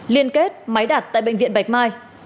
liên kết máy đặt tại bệnh viện bạch mai